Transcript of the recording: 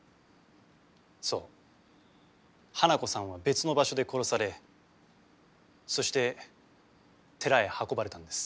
そう花子さんは別の場所で殺されそして寺へ運ばれたんです。